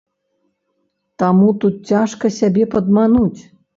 Таму тут цяжка сябе падмануць.